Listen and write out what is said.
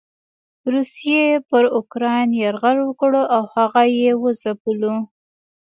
روسيې پر اوکراين يرغل وکړ او هغه یې وځپلو.